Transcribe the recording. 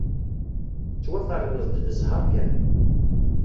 Tettwaferneḍ-d d zzheṛ kan.